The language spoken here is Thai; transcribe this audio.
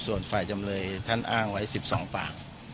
ส่วนฝ่ายจำเลยท่านอ้างไว้๑๒ปาก